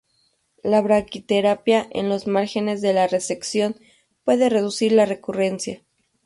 La braquiterapia en los márgenes de la resección puede reducir la recurrencia.